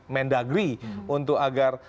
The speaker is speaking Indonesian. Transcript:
mendagri untuk agar